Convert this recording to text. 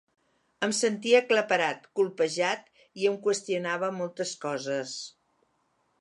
Em sentia aclaparat, colpejat i em qüestionava moltes coses.